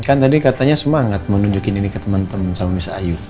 kan tadi katanya semangat menunjukin ini ke temen temen sama miss ayu